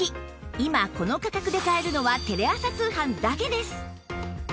今この価格で買えるのはテレ朝通販だけです！